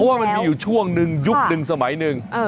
ว่ามันมีอยู่ช่วงหนึ่งยุคนึงสมัยหนึ่ง